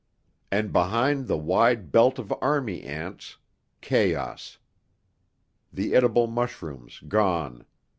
And behind the wide belt of army ants chaos. The edible mushrooms gone.